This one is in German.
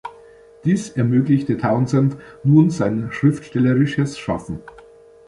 Dies ermöglichte Townsend nun sein schriftstellerisches Schaffen.